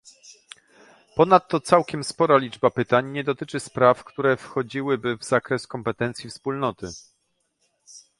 Ponadto, całkiem spora liczba pytań nie dotyczy spraw, które wchodziłyby w zakres kompetencji Wspólnoty